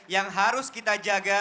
yang harus kita jaga